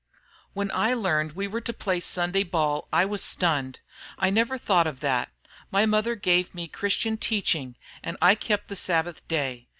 "When I learned we were to play Sunday ball I was stunned. I never thought of that. My mother gave me Christian teaching, and I kept the Sabbath day.